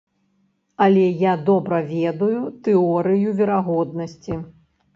Але я добра ведаю тэорыю верагоднасці.